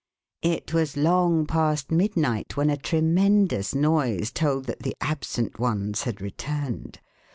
It was long past midnight when a tremendous noise told that the absent ones had returned.